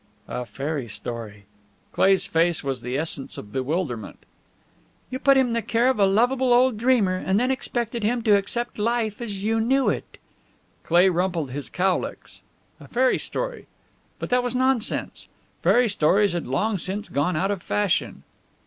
"A fairy story!" Cleigh's face was the essence of bewilderment. "You put him in the care of a lovable old dreamer, and then expected him to accept life as you knew it." Cleigh rumpled his cowlicks. A fairy story? But that was nonsense! Fairy stories had long since gone out of fashion.